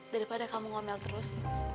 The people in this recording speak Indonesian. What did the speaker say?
daripada kamu ngomel terus